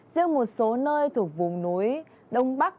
riêng một số nơi thuộc vùng núi đông bắc